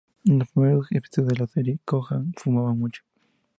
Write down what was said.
En los primeros episodios de la serie, Kojak fumaba mucho.